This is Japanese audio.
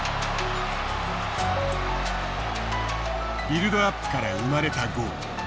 ビルドアップから生まれたゴール。